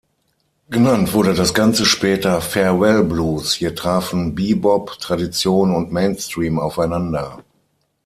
Genannt wurde das Ganze später „Farewell Blues“; hier trafen Bebop, Tradition und Mainstream aufeinander.